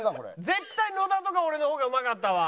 絶対野田とか俺の方がうまかったわ。